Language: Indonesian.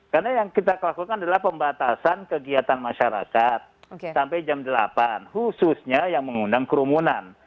karena yang kita lakukan adalah pembatasan kegiatan masyarakat sampai jam delapan khususnya yang mengundang kerumunan